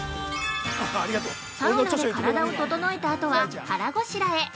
◆サウナで体をととのえたあとは腹ごしらえ！